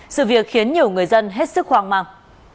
sự việc khiến nhiều người dân hết sức hoang mang